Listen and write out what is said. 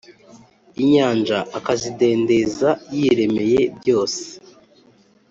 Inyanja akazidendeza yiremeye byose